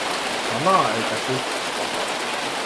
Kana eikä kukko.